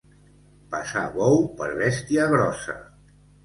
Passar bou per bèstia grossa.